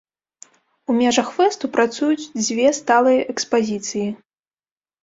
У межах фэсту працуюць дзве сталыя экспазіцыі.